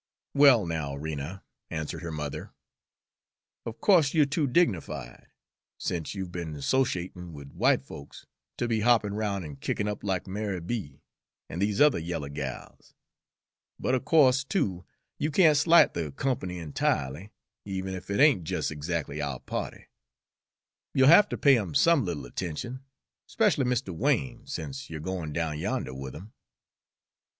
"Well, now, Rena," answered her mother, "of co'se you're too dignified, sence you've be'n 'sociatin' with white folks, to be hoppin' roun' an' kickin' up like Ma'y B. an' these other yaller gals; but of co'se, too, you can't slight the comp'ny entirely, even ef it ain't jest exac'ly our party, you'll have to pay 'em some little attention, 'specially Mr. Wain, sence you're goin' down yonder with 'im."